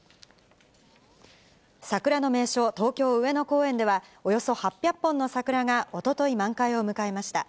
桜の名所、東京・上野公園では、およそ８００本の桜がおととい満開を迎えました。